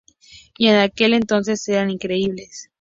Y en aquel entonces eran increíbles.